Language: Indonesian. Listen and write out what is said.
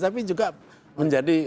tapi juga menjadi